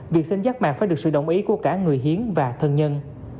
việc xin giác mạc phải được sự đồng ý của cả người hiến và thân nhân